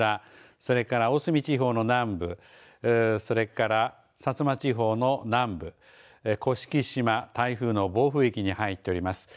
それから大隅地方の南部それから薩摩地方の南部甑島、台風の暴風域に入っております。